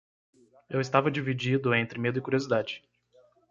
Eu estava dividido entre medo e curiosidade.